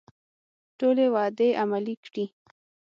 ټولې وعدې عملي کړي.